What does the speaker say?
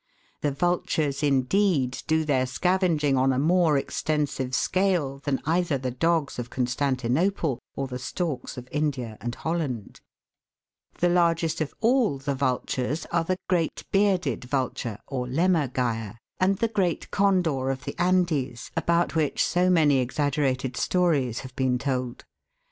The vultures, indeed, do their scavenging on a more extensive scale than either the dogs of Constantinople or the storks of India and Holland. The largest of all the vultures are the Great Bearded THE GREAT VULTURES Fig. 49. THE GREAT BLACK BACKED GULL. Vulture or Lammergeier, and the great Condor of the Andes, about which so many exaggerated stories have been told.